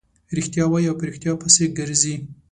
رښتیا وايي او په ريښتیاوو پسې ګرځي.